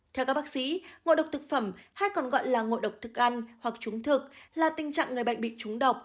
theo các bác sĩ ngộ độc thực phẩm hay còn gọi là ngộ độc thực ăn hoặc trúng thực là tình trạng người bệnh bị trúng độc